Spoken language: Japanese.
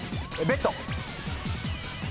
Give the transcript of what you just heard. ベッド。